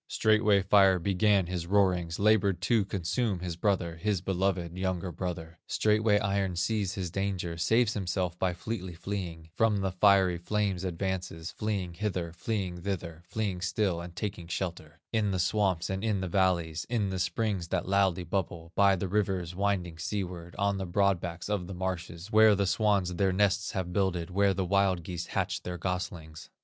Straightway Fire began his roarings, Labored to consume his brother, His beloved younger brother. Straightway Iron sees his danger, Saves himself by fleetly fleeing, From the fiery flame's advances, Fleeing hither, fleeing thither, Fleeing still and taking shelter In the swamps and in the valleys, In the springs that loudly bubble, By the rivers winding seaward, On the broad backs of the marshes, Where the swans their nests have builded, Where the wild geese hatch their goslings.